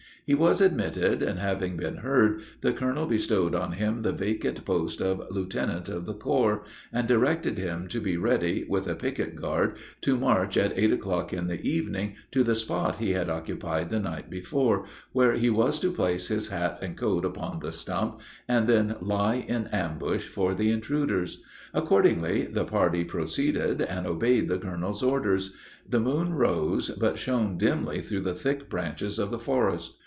He was admitted, and, having been heard, the colonel bestowed on him the vacant post of lieutenant of the corps, and directed him to be ready, with a picket guard, to march, at eight o'clock in the evening, to the spot he had occupied the night before, where he was to place his hat and coat upon the stump, and then lie in ambush for the intruders. Accordingly, the party proceeded, and obeyed the colonel's orders. The moon rose, but shone dimly through the thick branches of the forest.